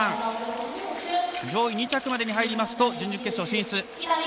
上位２着までに入ると準々決勝進出。